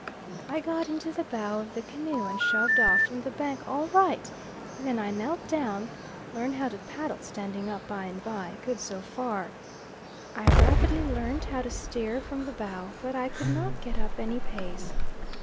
I got into the bow of the canoe, and shoved off from the bank all right; then I knelt down learn how to paddle standing up by and by good so far. I rapidly learnt how to steer from the bow, but I could not get up any pace.